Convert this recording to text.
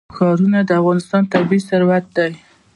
ښارونه د افغانستان طبعي ثروت دی.